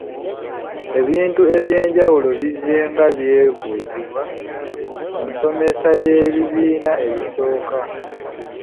Ebintu eby’enjawulo bizzenga byebuuzibwa ku nsomesa y'ebibiina ebisooka.